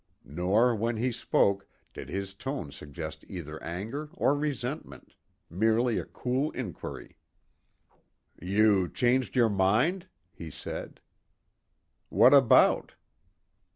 Nor, when he spoke, did his tone suggest either anger or resentment, merely a cool inquiry. "You changed your mind?" he said. "What about?"